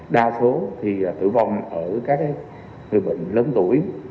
đa số thì tử vong ở các người bệnh lớn tuổi